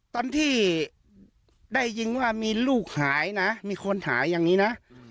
ตอนที่ได้ยินว่ามีลูกหายนะมีคนหายอย่างนี้นะ